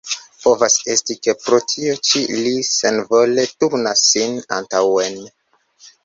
Povas esti, ke pro tio ĉi li senvole turnas sin antaŭen.